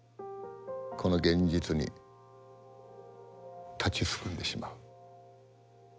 この現実に立ちすくんでしまう。